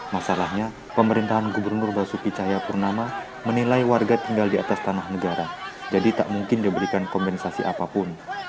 masalahnya pemerintahan gubernur basuki cahayapurnama menilai warga tinggal di atas tanah negara jadi tak mungkin diberikan kompensasi apapun